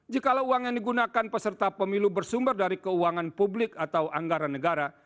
jikalau uang yang digunakan peserta pemilu bersumber dari keuangan publik atau anggaran negara